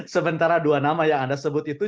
sementara dua nama yang anda sebut itu